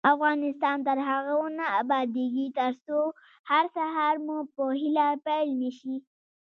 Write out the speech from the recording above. افغانستان تر هغو نه ابادیږي، ترڅو هر سهار مو په هیله پیل نشي.